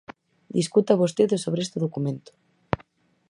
Discuta vostede sobre este documento.